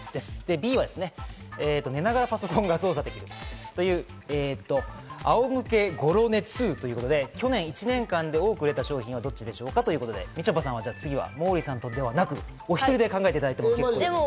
Ｂは寝ながらパソコンが操作できるという、仰向けゴロ寝デスク２ということで、去年１年間で多く売れた商品はどっちでしょうか？ということで、みちょぱさん、次はお１人で考えてもらっていいですか？